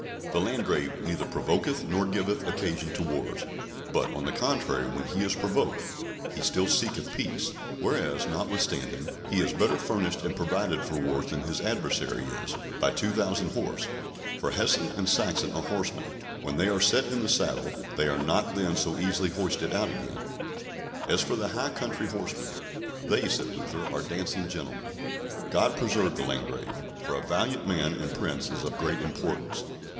The Landgrave neither provoketh nor giveth occasion to wars; but, on the contrary, when he is provoked, he still seeketh peace; whereas, notwithstanding, he is better furnished and provided for wars than his adversary is, by 2,000 horse, for Hessen and Saxon are horsemen; when they are set in the saddle, they are then not so easily hoisted out again. As for the high country horsemen, they, said Luther, are dancing gentlemen. God preserve the Landgrave; for a valiant man and Prince is of great importance.